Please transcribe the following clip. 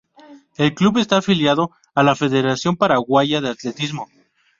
El club está afiliado a la Federación Paraguaya de Atletismo.